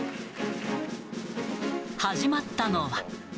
始まったのは。